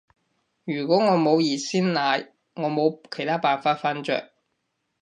如果我冇熱鮮奶，我冇其他辦法瞓着